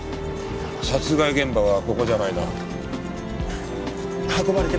殺害現場はここじゃないな。